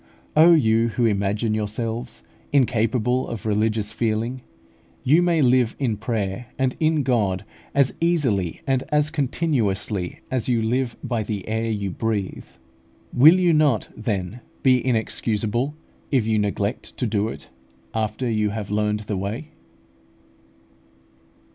Oh, you who imagine yourselves incapable of religious feeling, you may live in prayer and in God as easily and as continuously as you live by the air you breathe. Will you not, then, be inexcusable if you neglect to do it, after you have learned the way?